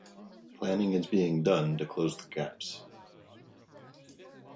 Planning is being done to close the gaps.